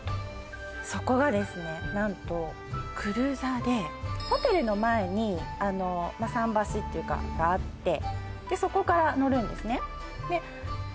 そこがですね何とクルーザーでホテルの前に桟橋っていうかがあってでそこから乗るんですねで